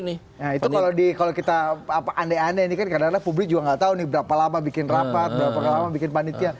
nah itu kalau kita andai andai ini kan kadang kadang publik juga nggak tahu nih berapa lama bikin rapat berapa lama bikin panitia